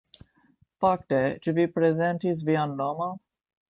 Fakte, ĉu vi prezentis vian nomon?